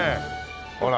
ほら。